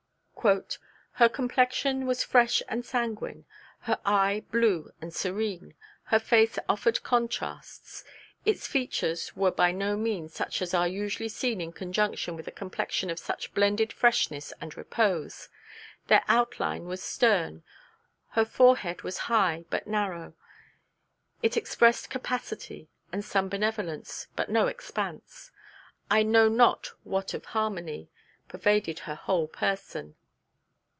'_Her complexion was fresh and sanguine, her eye blue and serene. Her face offered contrasts its features were by no means such as are usually seen in conjunction with a complexion of such blended freshness and repose; their outline was stern; her forehead was high, but narrow; it expressed capacity and some benevolence, but no expanse.... I know not what of harmony pervaded her whole person.